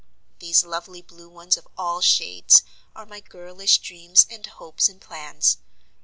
These lovely blue ones of all shades are my girlish dreams and hopes and plans.